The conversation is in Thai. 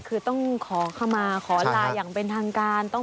คือต้องขอขมาขอลาอย่างเป็นทางการ